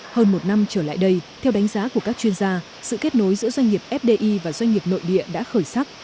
hơn một năm trở lại đây theo đánh giá của các chuyên gia sự kết nối giữa doanh nghiệp fdi và doanh nghiệp nội địa đã khởi sắc